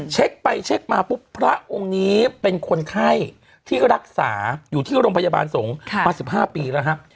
เช็คไปเช็คมาปุ๊บพระองค์นี้เป็นคนไข้ที่รักษาอยู่ที่โรงพยาบาลสงฆ์มา๑๕ปีแล้วครับ